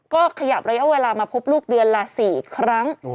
ก็ขยับระยะเวลามาพบลูกเดือนละ๔ครั้ง